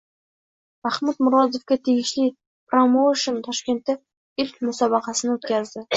Mahmud Murodovga tegishli promoushen Toshkentda ilk musobaqasini o‘tkazdi